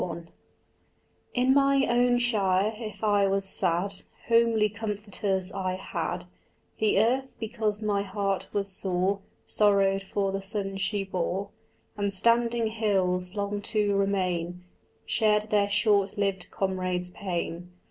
XLI In my own shire, if I was sad Homely comforters I had: The earth, because my heart was sore, Sorrowed for the son she bore; And standing hills, long to remain, Shared their short lived comrade's pain.